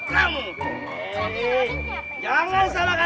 jahir aku masih tidak terima anak buah aku dikerjain sama anak buah